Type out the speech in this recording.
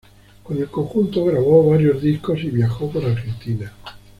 Con el conjunto, grabó varios discos y viajó por Argentina.